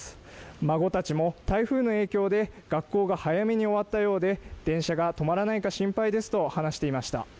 孫たちも台風の影響で学校が早めに終わったようで電車が止まらないか心配ですと話していました。